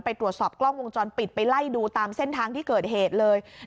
ไปตรวจสอบกล้องวงจรปิดไปไล่ดูตามเส้นทางที่เกิดเหตุเลย